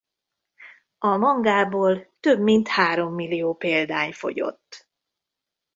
A mangából több mint hárommillió példány fogyott.